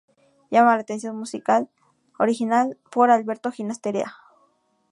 Llama la atención la música original por Alberto Ginastera.